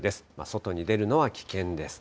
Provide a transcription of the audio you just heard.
外に出るのは危険です。